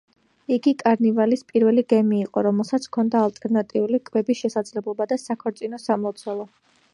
იგი კარნივალის პირველი გემი იყო, რომელსაც ჰქონდა ალტერნატიული კვების შესაძლებლობა და საქორწინო სამლოცველო.